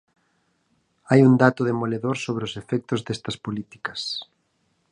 Hai un dato demoledor sobre os efectos destas políticas.